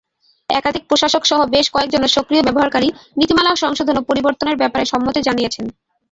একাধিক প্রশাসকসহ বেশ কয়েকজন সক্রিয় ব্যবহারকারী নীতিমালা সংশোধন ও পরিবর্তনের ব্যাপারে সম্মতি জানিয়েছেন।